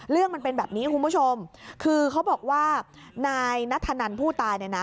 เรื่องมันเป็นแบบนี้คุณผู้ชมคือเขาบอกว่านายนทนันผู้ตาย